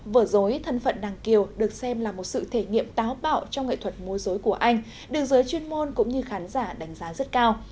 vở dối thân phận đằng kiều được xem là một sự thể nghiệm táo bạo trong nghệ thuật mua dối của anh được giới chuyên môn cũng như khán giả đánh giá rất cao